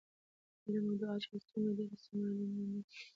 علم او دعاء چې هرڅومره ډیر استعمالوې نو نه کمېږي